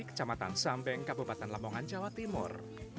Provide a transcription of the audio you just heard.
kecamatan sambeng kabupaten lamongan jawa timur